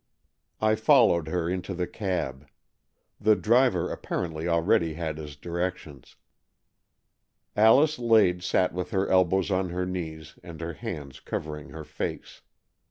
I followed her into the cab. The driver apparently already had his directions. Alice Lade sat with her elbows on her knees and her hands covering her face.